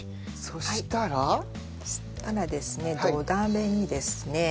そしたらですね土鍋にですね